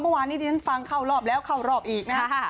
เมื่อวานนี้ที่ฉันฟังเข้ารอบแล้วเข้ารอบอีกนะครับ